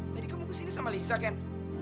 jadi kamu kesini sama lisa kan